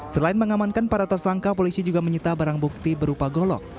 selain mengamankan para tersangka polisi juga menyita barang bukti berupa golok